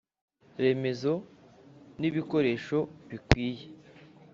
Remezo n ibikoresho bikwiye